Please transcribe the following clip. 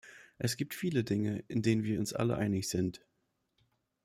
Es gibt viele Dinge, in den wir uns alle einig sind.